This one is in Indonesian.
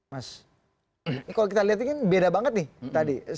mas kalau kita lihat ini kan beda banget nih tadi